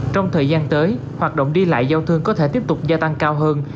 trong thời gian tới hoạt động đi lại giao thương có thể tiếp tục gia tăng cao hơn